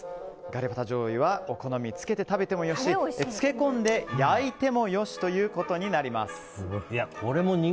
ガリバタ醤油はお好みでつけて食べてもよし漬け込んで焼いても良しということになります。